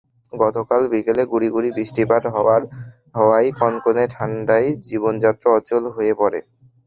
গতকাল বিকেলে গুঁড়ি গুঁড়ি বৃষ্টিপাত হওয়ায় কনকনে ঠান্ডায় জীবনযাত্রা অচল হয়ে পড়ে।